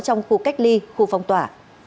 trong khu cách ly khu phong tỏa